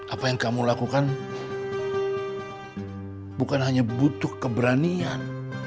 apa yang kamu lakukan bukan hanya butuh keberanian